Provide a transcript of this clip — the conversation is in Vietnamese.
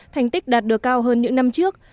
thành tích đạt được cao hơn những năm trước